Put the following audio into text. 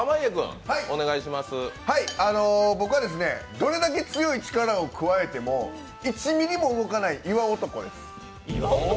僕は、どれだけ強い力を加えても１ｍｍも動かない岩男です。